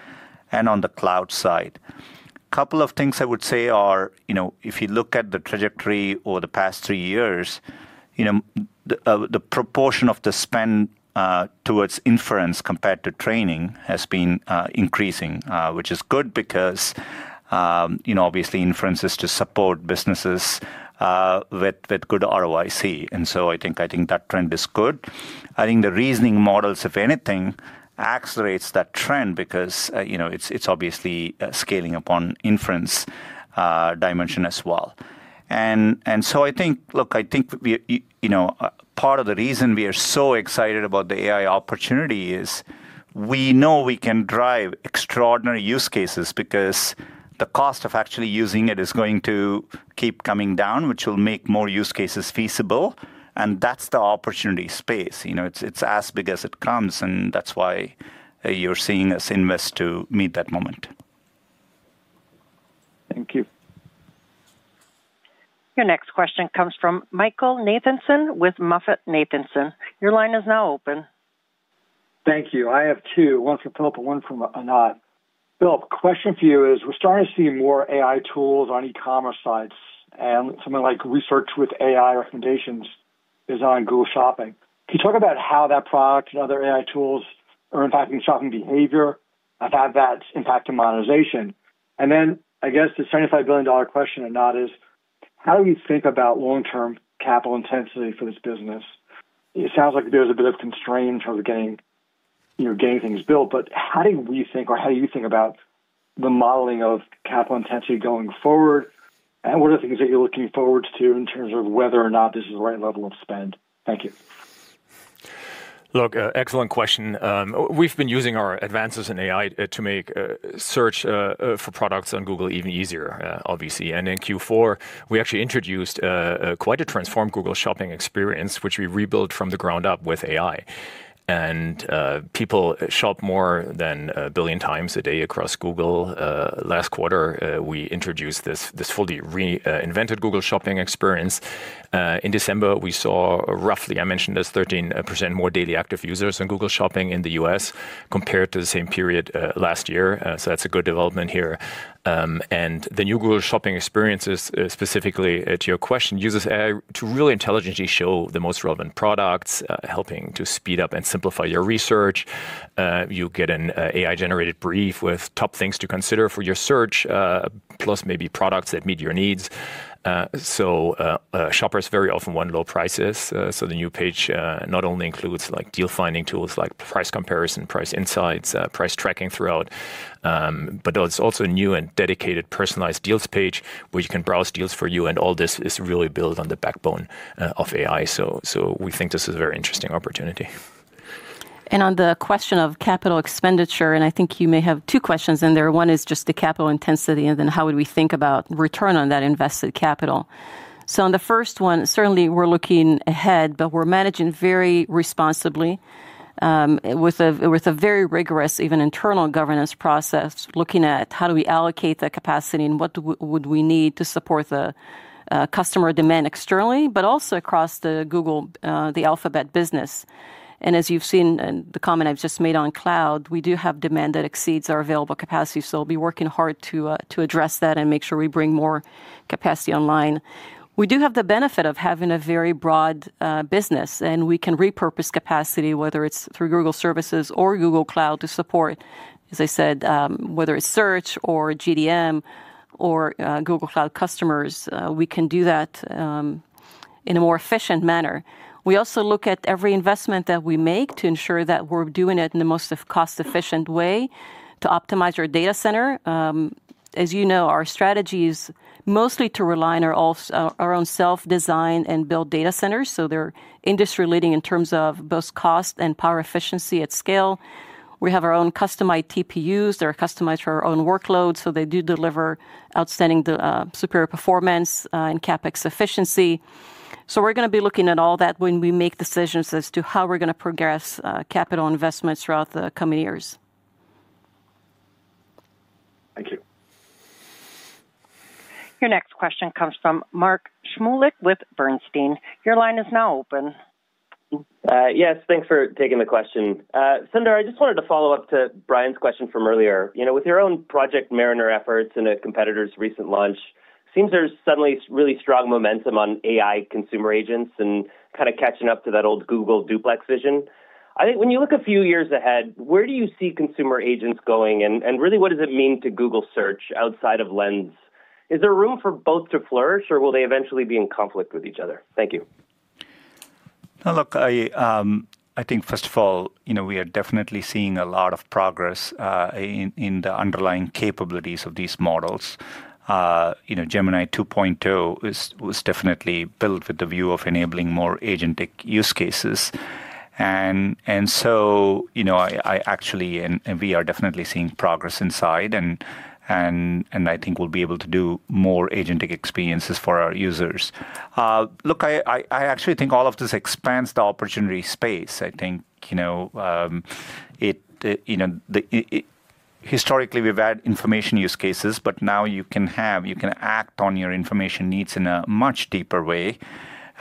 Speaker 3: and on the cloud side. A couple of things I would say are, if you look at the trajectory over the past three years, the proportion of the spend towards inference compared to training has been increasing, which is good because obviously inference is to support businesses with good ROIC. And so I think that trend is good. I think the reasoning models, if anything, accelerates that trend because it's obviously scaling upon inference dimension as well. And so I think, look, I think part of the reason we are so excited about the AI opportunity is we know we can drive extraordinary use cases because the cost of actually using it is going to keep coming down, which will make more use cases feasible. And that's the opportunity space. It's as big as it comes, and that's why you're seeing us invest to meet that moment.
Speaker 8: Thank you.
Speaker 1: Your next question comes from Michael Nathanson with MoffettNathanson. Your line is now open.
Speaker 9: Thank you. I have two, one from Philipp and one from Anat. Philipp, question for you is we're starting to see more AI tools on e-commerce sites, and something like Research with AI recommendations is on Google Shopping. Can you talk about how that product and other AI tools are impacting shopping behavior and how that's impacting monetization? And then I guess the $75 billion question, Anat, is how do we think about long-term capital intensity for this business? It sounds like there's a bit of constraint in terms of getting things built, but how do we think, or how do you think about the modeling of capital intensity going forward, and what are the things that you're looking forward to in terms of whether or not this is the right level of spend? Thank you.
Speaker 4: Look, excellent question. We've been using our advances in AI to make search for products on Google even easier, obviously, and in Q4, we actually introduced quite a transformed Google Shopping experience, which we rebuilt from the ground up with AI, and people shop more than a billion times a day across Google. Last quarter, we introduced this fully reinvented Google Shopping experience. In December, we saw roughly, I mentioned this, 13% more daily active users on Google Shopping in the U.S. compared to the same period last year, so that's a good development here, and the new Google Shopping experiences, specifically to your question, uses AI to really intelligently show the most relevant products, helping to speed up and simplify your research. You get an AI-generated brief with top things to consider for your search, plus maybe products that meet your needs. So shoppers very often want low prices. So the new page not only includes deal-finding tools like price comparison, price insights, price tracking throughout, but it's also a new and dedicated personalized deals page where you can browse deals for you. And all this is really built on the backbone of AI. So we think this is a very interesting opportunity.
Speaker 5: And on the question of capital expenditure, and I think you may have two questions in there. One is just the capital intensity, and then how would we think about return on that invested capital? So on the first one, certainly we're looking ahead, but we're managing very responsibly with a very rigorous, even internal governance process, looking at how do we allocate the capacity and what would we need to support the customer demand externally, but also across the Google, the Alphabet business. As you've seen in the comment I've just made on Cloud, we do have demand that exceeds our available capacity. We'll be working hard to address that and make sure we bring more capacity online. We do have the benefit of having a very broad business, and we can repurpose capacity, whether it's through Google Services or Google Cloud, to support, as I said, whether it's Search or GDM or Google Cloud customers, we can do that in a more efficient manner. We also look at every investment that we make to ensure that we're doing it in the most cost-efficient way to optimize our data center. As you know, our strategy is mostly to rely on our own self-design and build data centers. They're industry-leading in terms of both cost and power efficiency at scale. We have our own customized TPUs that are customized for our own workloads, so they do deliver outstanding superior performance and CapEx efficiency, so we're going to be looking at all that when we make decisions as to how we're going to progress capital investments throughout the coming years.
Speaker 9: Thank you.
Speaker 1: Your next question comes from Mark Shmulik with Bernstein. Your line is now open.
Speaker 10: Yes, thanks for taking the question. Sundar, I just wanted to follow up to Brian's question from earlier. With your own Project Mariner efforts and a competitor's recent launch, it seems there's suddenly really strong momentum on AI consumer agents and kind of catching up to that old Google Duplex vision. I think when you look a few years ahead, where do you see consumer agents going? And really, what does it mean to Google Search outside of Lens? Is there room for both to flourish, or will they eventually be in conflict with each other? Thank you.
Speaker 3: Look, I think, first of all, we are definitely seeing a lot of progress in the underlying capabilities of these models. Gemini 2.0 was definitely built with the view of enabling more agentic use cases. And so I actually, and we are definitely seeing progress inside, and I think we'll be able to do more agentic experiences for our users. Look, I actually think all of this expands the opportunity space. I think historically we've had information use cases, but now you can act on your information needs in a much deeper way.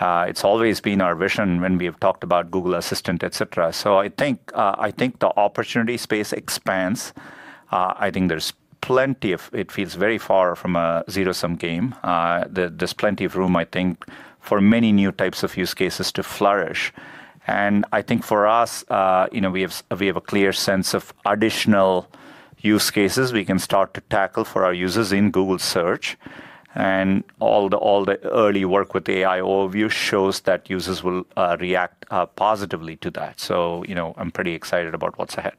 Speaker 3: It's always been our vision when we have talked about Google Assistant, et cetera. So I think the opportunity space expands. I think there's plenty of it. It feels very far from a zero-sum game. There's plenty of room, I think, for many new types of use cases to flourish. And I think for us, we have a clear sense of additional use cases we can start to tackle for our users in Google Search. And all the early work with AI Overviews shows that users will react positively to that. So I'm pretty excited about what's ahead.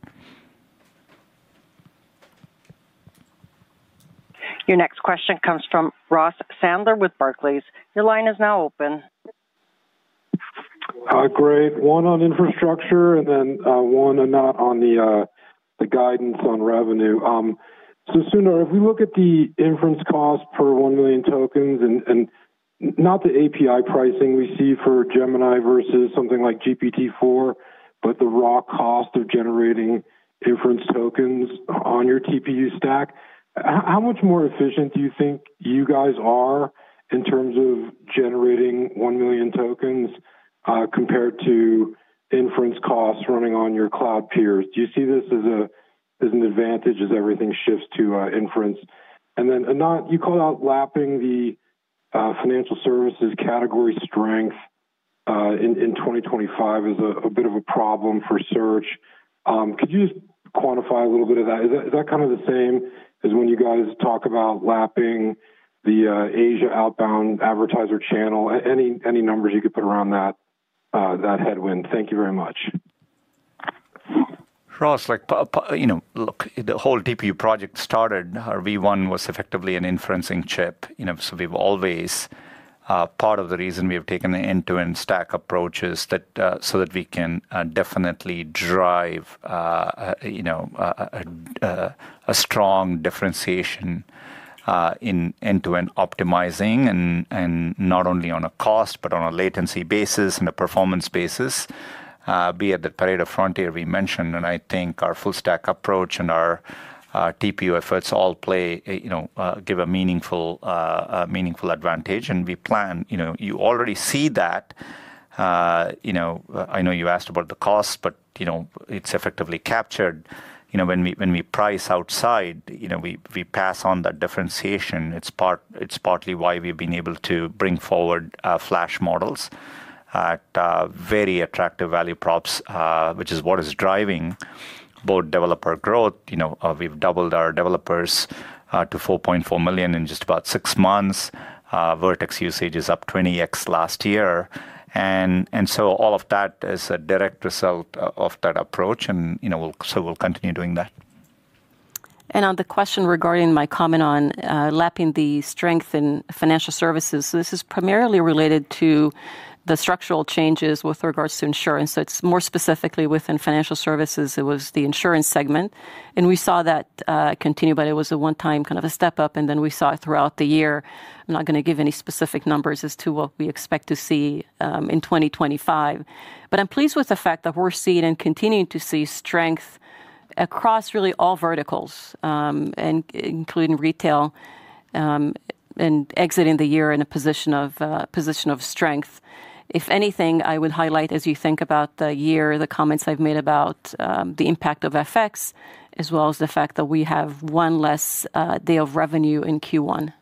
Speaker 1: Your next question comes from Ross Sandler with Barclays. Your line is now open.
Speaker 11: Great. One on infrastructure and then one Anat on the guidance on revenue. So Sundar, if we look at the inference cost per 1 million tokens and not the API pricing we see for Gemini versus something like GPT-4, but the raw cost of generating inference tokens on your TPU stack, how much more efficient do you think you guys are in terms of generating 1 million tokens compared to inference costs running on your Cloud peers? Do you see this as an advantage as everything shifts to inference? And then Anat, you called out lapping the financial services category strength in 2025 as a bit of a problem for Search. Could you just quantify a little bit of that? Is that kind of the same as when you guys talk about lapping the Asia outbound advertiser channel? Any numbers you could put around that headwind? Thank you very much.
Speaker 3: Ross, look, the whole TPU project started. Our V1 was effectively an inferencing chip. So we've always, part of the reason we have taken an end-to-end stack approach is so that we can definitely drive a strong differentiation in end-to-end optimizing, and not only on a cost, but on a latency basis and a performance basis. Be it the Pareto frontier we mentioned, and I think our full-stack approach and our TPU efforts all give a meaningful advantage. And we plan, you already see that. I know you asked about the cost, but it's effectively captured. When we price outside, we pass on that differentiation. It's partly why we've been able to bring forward Flash models at very attractive value props, which is what is driving both developer growth. We've doubled our developers to 4.4 million in just about six months. Vertex usage is up 20x last year. All of that is a direct result of that approach, and so we'll continue doing that.
Speaker 5: On the question regarding my comment on lapping the strength in financial services, this is primarily related to the structural changes with regards to insurance. It's more specifically within financial services. It was the insurance segment, and we saw that continue, but it was a one-time kind of a step up. Then we saw it throughout the year. I'm not going to give any specific numbers as to what we expect to see in 2025. I'm pleased with the fact that we're seeing and continuing to see strength across really all verticals, including retail and exiting the year in a position of strength. If anything, I would highlight as you think about the year, the comments I've made about the impact of FX, as well as the fact that we have one less day of revenue in Q1.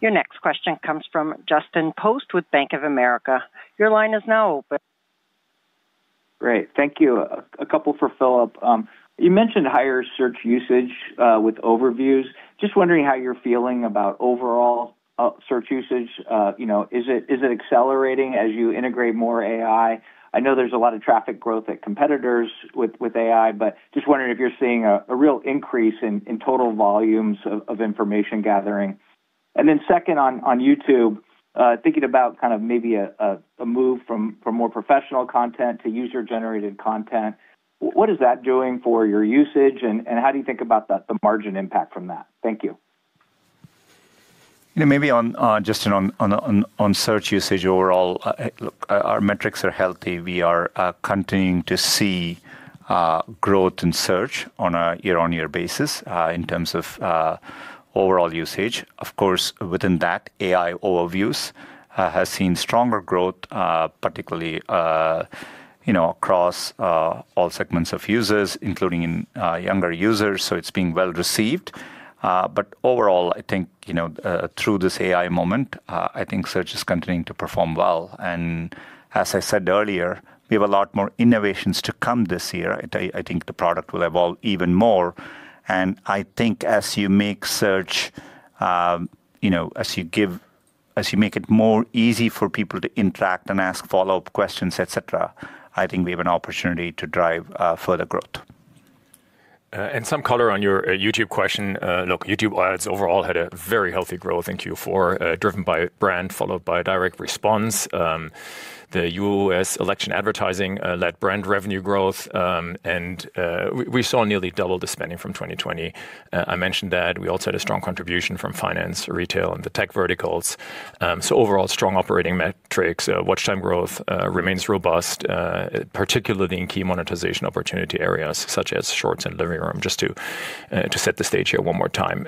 Speaker 1: Your next question comes from Justin Post with Bank of America. Your line is now open.
Speaker 12: Great. Thank you. A couple for Philipp. You mentioned higher search usage with overviews. Just wondering how you're feeling about overall search usage. Is it accelerating as you integrate more AI? I know there's a lot of traffic growth at competitors with AI, but just wondering if you're seeing a real increase in total volumes of information gathering. And then second on YouTube, thinking about kind of maybe a move from more professional content to user-generated content. What is that doing for your usage, and how do you think about the margin impact from that? Thank you.
Speaker 4: Maybe on Justin, on search usage overall, look, our metrics are healthy. We are continuing to see growth in search on a year-on-year basis in terms of overall usage. Of course, within that, AI Overviews have seen stronger growth, particularly across all segments of users, including younger users. So it's being well received. But overall, I think through this AI moment, I think search is continuing to perform well. And as I said earlier, we have a lot more innovations to come this year. I think the product will evolve even more. And I think as you make search, as you make it more easy for people to interact and ask follow-up questions, et cetera, I think we have an opportunity to drive further growth. And some color on your YouTube question. Look, YouTube ads overall had a very healthy growth in Q4, driven by brand followed by direct response. The U.S. election advertising led brand revenue growth, and we saw nearly double the spending from 2020. I mentioned that we also had a strong contribution from finance, retail, and the tech verticals. So overall, strong operating metrics. Watch time growth remains robust, particularly in key monetization opportunity areas such as Shorts and Living Room, just to set the stage here one more time.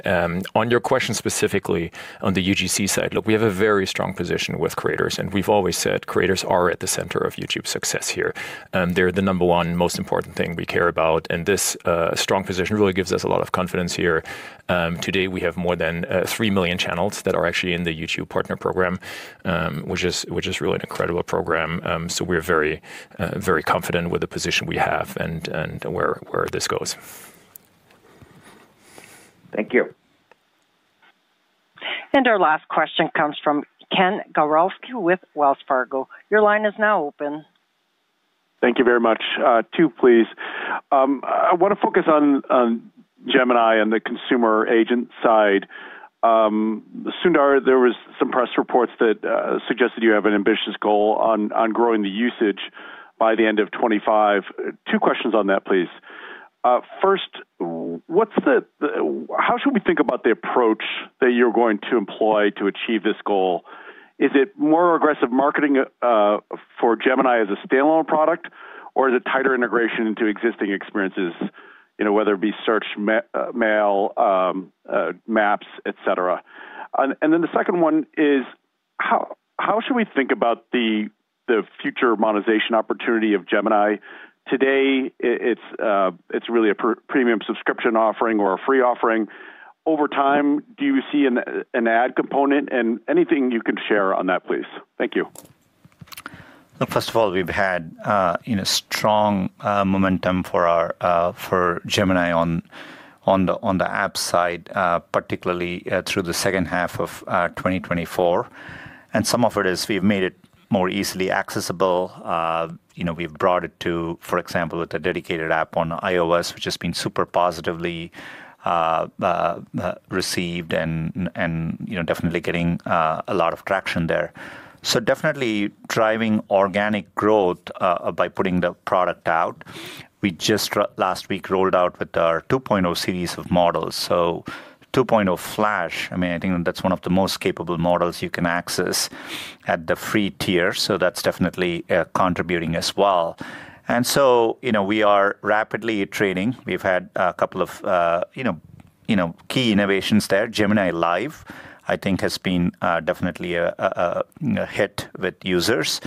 Speaker 4: On your question specifically on the UGC side, look, we have a very strong position with creators, and we've always said creators are at the center of YouTube success here. They're the number one most important thing we care about. And this strong position really gives us a lot of confidence here. Today, we have more than three million channels that are actually in the YouTube Partner Program, which is really an incredible program. So we're very confident with the position we have and where this goes.
Speaker 12: Thank you.
Speaker 1: And our last question comes from Ken Gawrelski with Wells Fargo. Your line is now open.
Speaker 13: Thank you very much. Two, please. I want to focus on Gemini and the consumer agent side. Sundar, there were some press reports that suggested you have an ambitious goal on growing the usage by the end of 2025. Two questions on that, please. First, how should we think about the approach that you're going to employ to achieve this goal? Is it more aggressive marketing for Gemini as a standalone product, or is it tighter integration into existing experiences, whether it be search, mail, maps, et cetera? And then the second one is, how should we think about the future monetization opportunity of Gemini? Today, it's really a premium subscription offering or a free offering. Over time, do you see an ad component? And anything you can share on that, please. Thank you.
Speaker 3: Look, first of all, we've had strong momentum for Gemini on the app side, particularly through the second half of 2024, and some of it is we've made it more easily accessible. We've brought it to, for example, with a dedicated app on iOS, which has been super positively received and definitely getting a lot of traction there, so definitely driving organic growth by putting the product out. We just last week rolled out with our 2.0 series of models, so 2.0 Flash. I mean, I think that's one of the most capable models you can access at the free tier, so that's definitely contributing as well, and so we are rapidly iterating. We've had a couple of key innovations there. Gemini Live, I think, has been definitely a hit with users,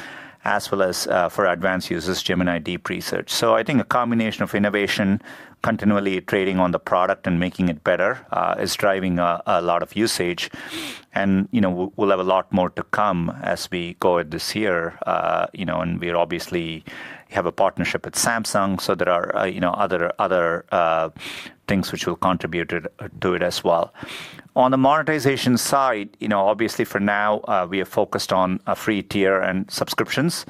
Speaker 3: as well as for advanced users, Gemini Deep Research, so I think a combination of innovation, continually trading on the product and making it better is driving a lot of usage, and we'll have a lot more to come as we go this year, and we obviously have a partnership with Samsung, so there are other things which will contribute to it as well. On the monetization side, obviously for now, we are focused on a free tier and subscriptions,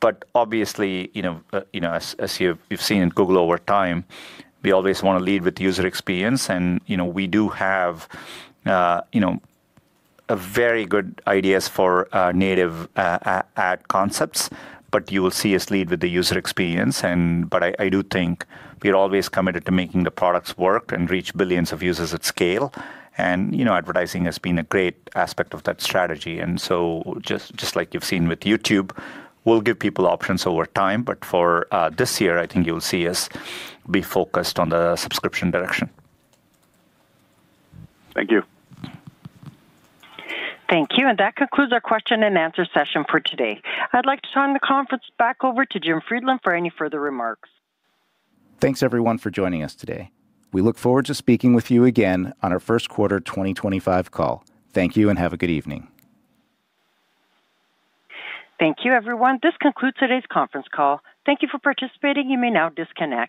Speaker 3: but obviously, as you've seen in Google over time, we always want to lead with user experience, and we do have very good ideas for native ad concepts, but you will see us lead with the user experience, but I do think we are always committed to making the products work and reach billions of users at scale. And advertising has been a great aspect of that strategy. And so just like you've seen with YouTube, we'll give people options over time. But for this year, I think you'll see us be focused on the subscription direction.
Speaker 13: Thank you.
Speaker 1: Thank you. And that concludes our question and answer session for today. I'd like to turn the conference back over to Jim Friedland for any further remarks.
Speaker 2: Thanks, everyone, for joining us today. We look forward to speaking with you again on our first quarter 2025 call. Thank you and have a good evening.
Speaker 1: Thank you, everyone. This concludes today's conference call. Thank you for participating. You may now disconnect.